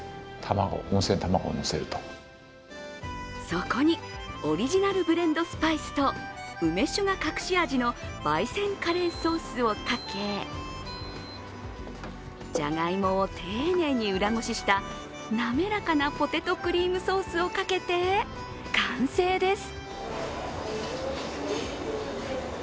そこにオリジナルブレンドスパイスと梅酒が隠し味のばい煎カレーソースをかけじゃがいもを丁寧に裏ごしした滑かなポテトクリームソースをかけて完成です。